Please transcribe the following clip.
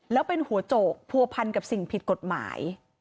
แล้วเป็นหัวโจกผัวพันกับสิ่งผิดกฎหมาย